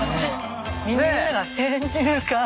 みんなが「先入観」。